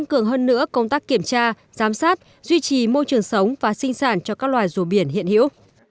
ước công tác kiểm tra giám sát duy trì môi trường sống và sinh sản cho các loài rùa biển hiện hữu